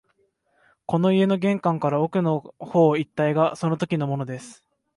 この家の玄関から奥の方一帯がそのときのものです